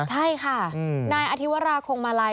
ใช่ค่ะนายอธิวราคงมาลัย